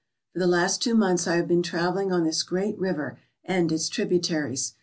For the last two months I have been travelling on this great river and its tributaries.